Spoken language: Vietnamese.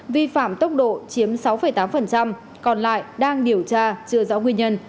vi phạm tốc độ chiếm sáu tám còn lại đang điều tra chưa rõ nguyên nhân